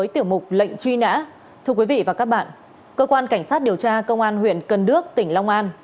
thưa quý vị và các bạn cơ quan cảnh sát điều tra công an huyện cần đước tỉnh long an